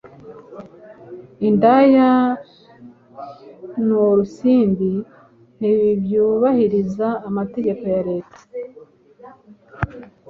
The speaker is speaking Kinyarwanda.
Indaya n’Urusimbi ntibyubahiriza amategeko ya Leta,